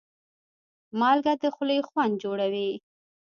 مالګه د خولې خوند جوړوي.